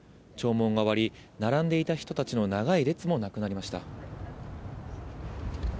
弔問が終わり、並んでいた人たちの長い列もなくなりました。